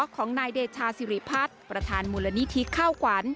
ของนายเดชาสิริพัฒน์ประธานมูลนิธิข้าวขวัญ